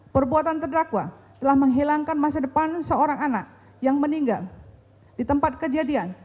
perbuatan terdakwa telah menghilangkan masa depan seorang anak yang meninggal di tempat kejadian